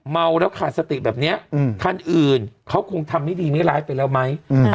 เมาแล้วขาดสติแบบนี้คันอื่นเขาคงทำไม่ดีไม่ร้ายไปแล้วไหม